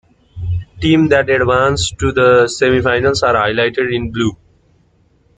Teams that advanced to the semi-finals are highlighted in blue.